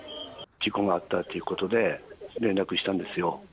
事故があったということで、連絡したんですよ。